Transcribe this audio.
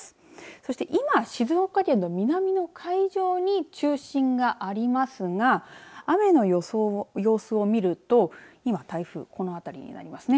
そして今、静岡県の南の海上に中心がありますが雨の様子を見ると今、台風この辺りになります。